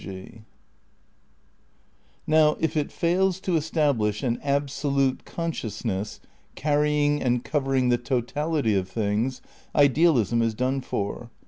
u Now if it fails to establish an Absolute Consciousness carrying and covering the totality of things, Idealism Epist© is done for.